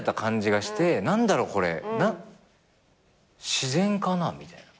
自然かな？みたいな。